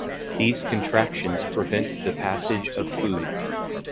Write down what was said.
These contractions prevent the passage of food.